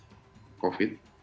jadi ini sudah menjadi korban covid